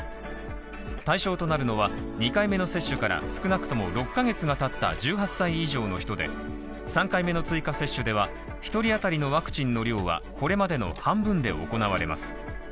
対象となるのは２回目の接種から少なくとも６ヶ月がたった１８歳以上の人で、３回目の追加接種では、１人当たりのワクチンの量は、これまでの半分で行われます。